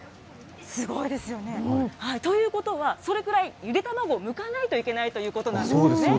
すごいですよね。ということは、それくらい、ゆで卵むかないといけないということなんですね。